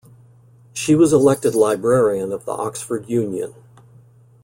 She was elected Librarian of the Oxford Union.